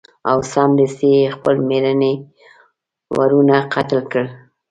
او سمدستي یې خپل میرني وروڼه قتل کړل.